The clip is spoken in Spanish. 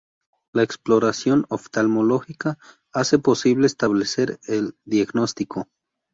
La exploración oftalmológica hace posible establecer el diagnóstico.